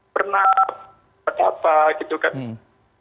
pernah buat apa gitu kan